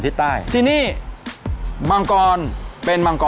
สวัสดีครับ